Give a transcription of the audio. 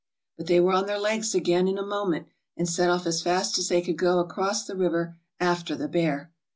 But they were on their legs again in a moment, and set off as fast as they could go across the river after the bear.